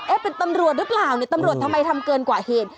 เป็นตำรวจหรือเปล่าเนี่ยตำรวจทำไมทำเกินกว่าเหตุ